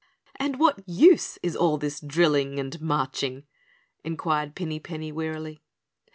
"And what use is all this drilling and marching?" inquired Pinny Penny wearily.